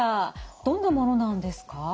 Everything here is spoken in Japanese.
どんなものなんですか？